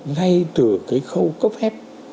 ngay từ cái khâu cấp phép